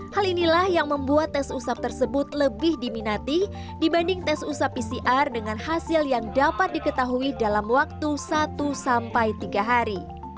hal inilah yang membuat tes usap tersebut lebih diminati dibanding tes usap pcr dengan hasil yang dapat diketahui dalam waktu satu sampai tiga hari